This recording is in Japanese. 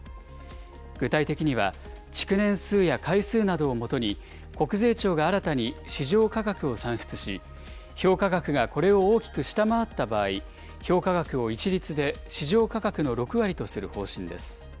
具体的には、築年数や回数などをもとに、国税庁が新たに市場価格を算出し、評価額がこれを大きく下回った場合、評価額を一律で市場価格の６割とする方針です。